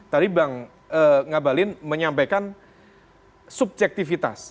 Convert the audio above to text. tadi bang ngabalin menyampaikan subjektivitas